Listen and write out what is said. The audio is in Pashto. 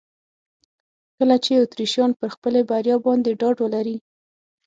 کله چې اتریشیان پر خپلې بریا باندې ډاډ ولري.